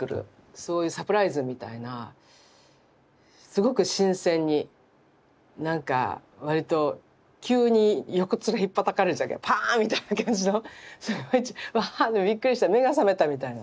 そういうサプライズみたいなすごく新鮮になんかわりと急に横っ面ひっぱたかれたパーンみたいな感じのすごいわってびっくりした目が覚めたみたいな。